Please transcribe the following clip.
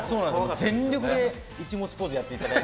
全力でイチモツポーズやっていただいて。